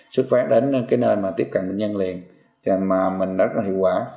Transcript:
xuất phát đến cái nơi mà tiếp cận bệnh nhân liền mà mình rất là hiệu quả